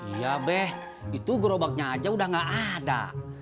iya beh itu gerobaknya aja udah gak ada